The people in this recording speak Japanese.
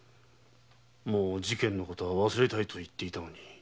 事件の事は忘れたいと言っていたのに。